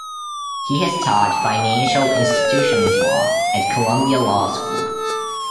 He has taught financial institutions law at Columbia Law School.